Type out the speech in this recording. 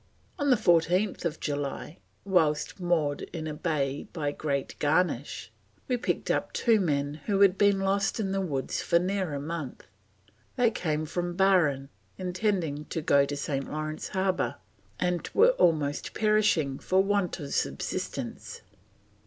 On 14th July, whilst "moored in a bay by Great Garnish, we picked up two men who had been lost in the woods for near a month. They came from Barin, intending to go to St. Lawrence Harbour, and were almost perishing for want of subsistence."